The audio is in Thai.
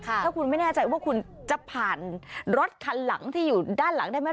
ถ้าคุณไม่แน่ใจว่าคุณจะผ่านรถคันหลังที่อยู่ด้านหลังได้ไหม